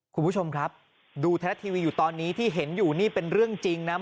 คุณผู้ชมครับดูไทยรัฐทีวีอยู่ตอนนี้ที่เห็นอยู่นี่เป็นเรื่องจริงนะ